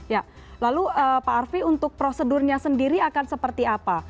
ya lalu pak arfi untuk prosedurnya sendiri akan seperti apa